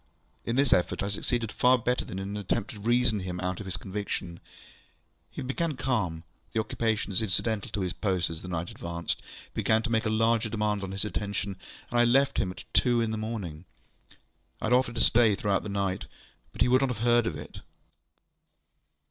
In this effort I succeeded far better than in the attempt to reason him out of his conviction. He became calm; the occupations incidental to his post as the night advanced began to make larger demands on his attention: and I left him at two in the morning. I had offered to stay through the night, but he would not hear of it.